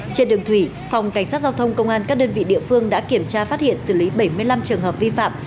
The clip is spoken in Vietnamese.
trên đường thủy phòng cảnh sát giao thông công an các đơn vị địa phương đã kiểm tra phát hiện xử lý bảy mươi năm trường hợp vi phạm